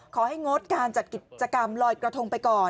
งดการจัดกิจกรรมลอยกระทงไปก่อน